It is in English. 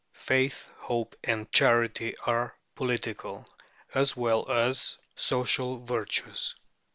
Faith, hope, and charity are political as well as social virtues.